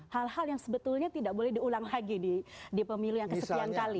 hal hal yang sebetulnya tidak boleh diulang lagi di pemilu yang kesekian kali